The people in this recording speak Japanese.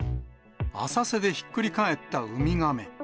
浅瀬でひっくり返ったウミガメ。